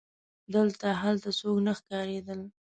دلته هلته څوک نه ښکارېدل.